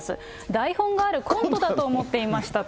台本があるコントだと思っていましたと。